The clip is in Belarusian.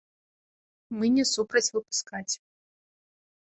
Мы не супраць выпускаць.